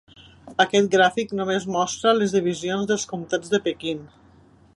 Aquest gràfic només mostra les divisions dels comtats de Pequín.